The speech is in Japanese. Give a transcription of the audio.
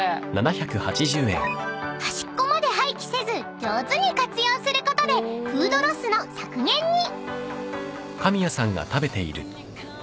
［端っこまで廃棄せず上手に活用することでフードロスの削減に］